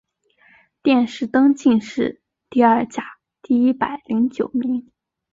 殿试登进士第二甲第一百零九名。